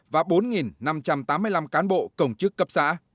và bốn năm trăm tám mươi năm cán bộ công chức cấp xã